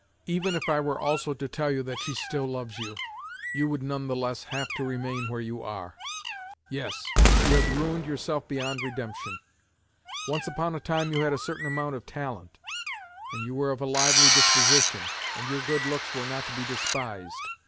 Even if I were also to tell you that she still loves you, you would none the less have to remain where you are. Yes, you have ruined yourself beyond redemption. Once upon a time you had a certain amount of talent, and you were of a lively disposition, and your good looks were not to be despised.